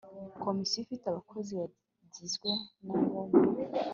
komisiyo ifite abakozi bagizwe n abo mu